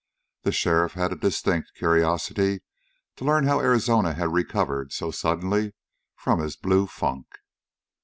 The sheriff had a distinct curiosity to learn how Arizona had recovered so suddenly from his "blue funk."